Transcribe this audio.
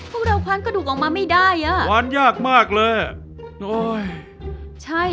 พวกเราคว้านกระดูกออกมาไม่ได้อ่ะคว้านยากมากเลย